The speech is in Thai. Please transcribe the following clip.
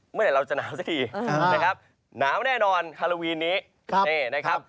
เมื่อไหร่เราจะหนาวสักทีนะครับหนาวแน่นอนฮาโลวีนนี้นี่นะครับ